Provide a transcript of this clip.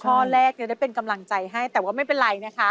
ข้อแรกจะได้เป็นกำลังใจให้แต่ว่าไม่เป็นไรนะคะ